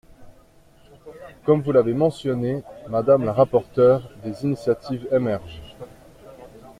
Comme vous l’avez mentionné, madame la rapporteure, des initiatives émergent.